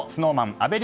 阿部